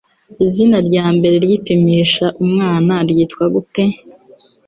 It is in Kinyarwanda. Izina ryambere ryipimisha umwana ryitwa gute?